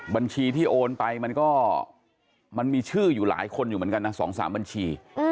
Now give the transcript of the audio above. บัญชีที่โอนไปมันก็มันมีชื่ออยู่หลายคนอยู่เหมือนกันนะ๒๓บัญชี